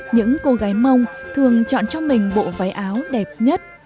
những cô gái mông thường chọn cho mình bộ váy áo đẹp nhất